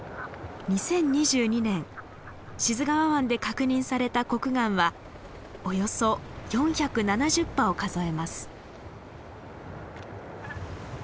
２０２２年志津川湾で確認されたコクガンはおよそ４７０羽を数えます。